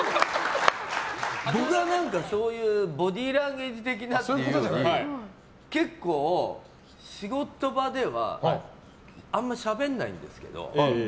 僕は何かそういうボディーランゲージというより結構、仕事場ではあんまりしゃべんないんですけど。